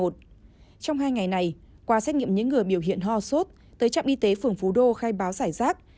trong hai ngày này qua xét nghiệm những người biểu hiện ho sốt tới trạm y tế phường phú đô khai báo giải rác